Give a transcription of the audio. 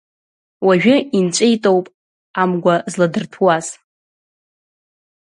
Уажәы инҵәеитоуп амгәа зладырҭәуаз.